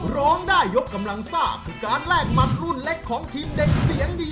ร้องได้ยกกำลังซ่าคือการแลกหมัดรุ่นเล็กของทีมเด็กเสียงดี